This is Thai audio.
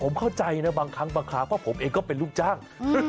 ผมเข้าใจนะบางครั้งบางครั้งเพราะผมเองก็เป็นลูกจ้าง